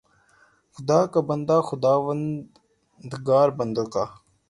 خدا کا بندہ، خداوندگار بندوں کا